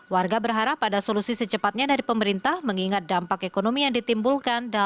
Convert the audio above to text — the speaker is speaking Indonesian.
warga berharap ada solusi secepatnya dari pemerintah mengingat dampak ekonomi yang ditimbulkan